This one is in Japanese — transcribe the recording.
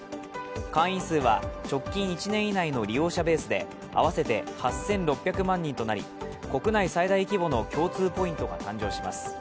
会員数は直近１年以内の利用者ベースで合わせて８６００万人となり国内最大規模の共通ポイントが誕生します。